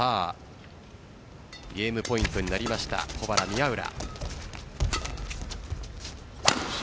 ゲームポイントになりました保原・宮浦。